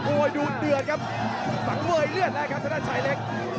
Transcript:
โอ้ดูเดือดครับสังเวย์เลือดแล้วครับชายเล็ก